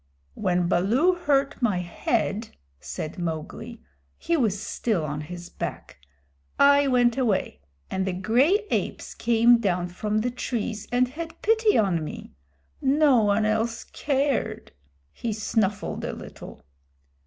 "When Baloo hurt my head," said Mowgli (he was still on his back), "I went away, and the gray apes came down from the trees and had pity on me. No one else cared." He snuffled a little.